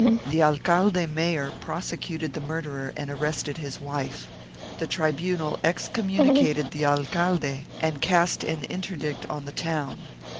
The alcalde mayor prosecuted the murderer and arrested his wife; the tribunal excommunicated the alcalde and cast an interdict on the town.